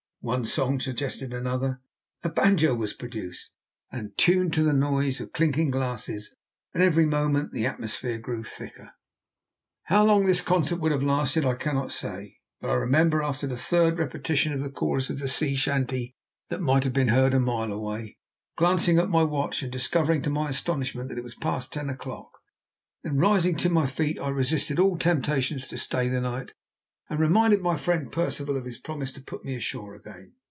One song suggested another; a banjo was produced, and tuned to the noise of clinking glasses; and every moment the atmosphere grew thicker. How long this concert would have lasted I cannot say, but I remember, after the third repetition of the chorus of the sea chanty that might have been heard a mile away, glancing at my watch and discovering to my astonishment that it was past ten o'clock. Then rising to my feet I resisted all temptations to stay the night, and reminded my friend Percival of his promise to put me ashore again.